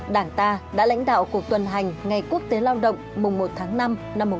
đảng ta đã lãnh đạo cuộc tuần hành ngày quốc tế lao động mùng một tháng năm năm một nghìn chín trăm bốn mươi năm